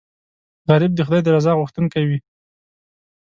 غریب د خدای د رضا غوښتونکی وي